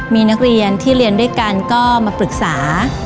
มีนักเรียนที่เรียนด้วยกันก็มาปรึกษา